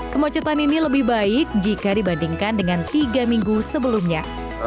kemacetan ini lebih baik jika dibandingkan dengan tiga minggu sebelumnya